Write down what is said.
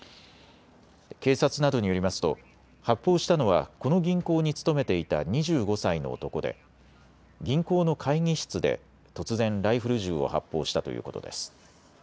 警察などによりますと発砲したのはこの銀行に勤めていた２５歳の男で銀行の会議室で突然ライフル銃を発砲したということです。